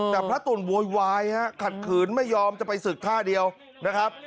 แต่พระตุ๋นโวยวายฮะขัดขืนไม่ยอมจะไปศึกท่าเดียวนะครับ